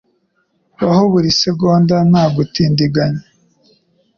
Baho buri segonda nta gutindiganya.